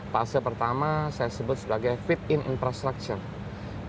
pase pertama saya sebut sebagai fit in infrastructure